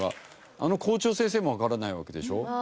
あの校長先生もわからないわけでしょ？